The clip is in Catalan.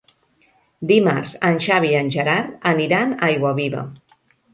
Dimarts en Xavi i en Gerard aniran a Aiguaviva.